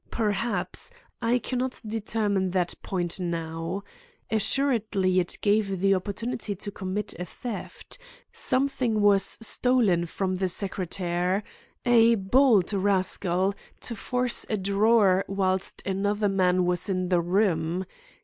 Perhaps. I cannot determine that point now. Assuredly it gave the opportunity to commit a theft. Something was stolen from the secretaire. A bold rascal, to force a drawer whilst another man was in the room!